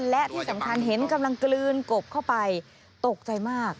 และที่สำคัญเห็นกำลังกลืนกบเข้าไปตกใจมาก